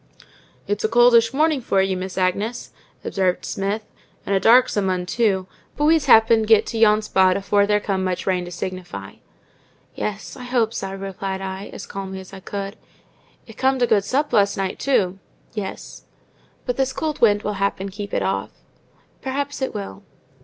"It's a coldish mornin' for you, Miss Agnes," observed Smith; "and a darksome 'un too; but we's happen get to yon spot afore there come much rain to signify." "Yes, I hope so," replied I, as calmly as I could. "It's comed a good sup last night too." "Yes." "But this cold wind will happen keep it off." "Perhaps it will."